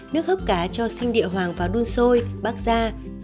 nước hấp cá cho xinh địa hoàng vào đun sôi bắt ra